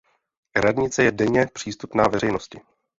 Radnice je denně přístupná veřejnosti.